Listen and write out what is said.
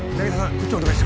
こっちお願いします。